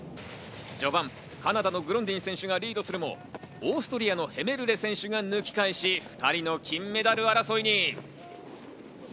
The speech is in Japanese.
序盤、カナダのグロンディン選手がリードするも、オーストリアのヘメルレ選手が抜き返し２人の金メダル争いに。